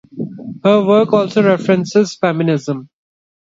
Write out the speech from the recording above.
Her work also references feminism.